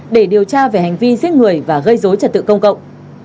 để điều tra về hành vi giết người và gây dối trật tự công cộng